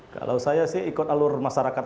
kalau saya sih ikut alur masyarakat